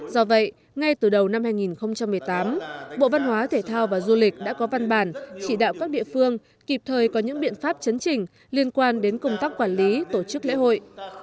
do vậy ngay từ đầu năm hai nghìn một mươi tám bộ văn hóa thể thao và du lịch đã có văn bản chỉ đạo các địa phương kịp thời có những biện pháp chấn chỉnh liên quan đến công tác quản lý tổ chức lễ hội